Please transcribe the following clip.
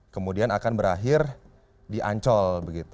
kemudian akan berakhir di ancol